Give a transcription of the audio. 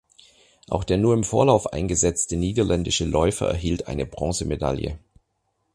Auch der nur im Vorlauf eingesetzte niederländische Läufer erhielt eine Bronzemedaille.